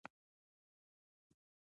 وقايه له درملنې غوره ده.